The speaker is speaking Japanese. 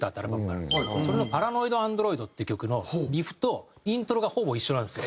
それの『ＰａｒａｎｏｉｄＡｎｄｒｏｉｄ』という曲のリフとイントロがほぼ一緒なんですよ。